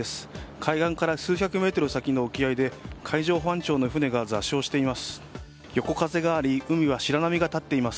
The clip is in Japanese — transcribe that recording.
海岸から数百メートル先の沖合で海上保安庁の船が座礁しています。